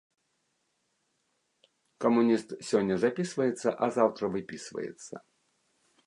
Камуніст сёння запісваецца, а заўтра выпісваецца.